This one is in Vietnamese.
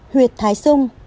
huyệt thái sung